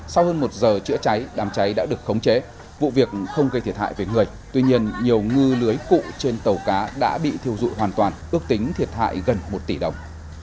sau hơn một giờ chữa cháy đám cháy đã được khống chế vụ việc không gây thiệt hại về người tuy nhiên nhiều ngư lưới cụ trên tàu cá đã bị thiêu dụi hoàn toàn ước tính thiệt hại gần một tỷ đồng